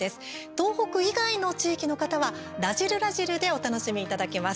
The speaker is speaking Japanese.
東北以外の地域の方は「らじる★らじる」でお楽しみいただけます。